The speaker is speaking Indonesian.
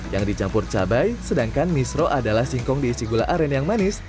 yang dicampur cabai sedangkan misro adalah singkong diisi gula aren yang manis